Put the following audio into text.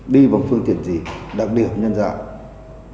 đi vào phương tiện gì đặc điểm nhân dạng